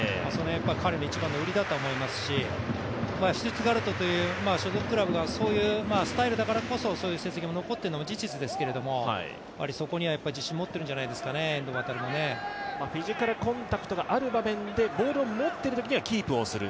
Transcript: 彼の一番の売りだと思いますし、シュツットガルトという所属クラブがそういうスタイルだからこそそういう成績が残っているのは事実ですけれどもそこには自信を持っているんじゃないですかね、遠藤航もね。フィジカルコンタクトがある場面でボールを持っているときにはキープする。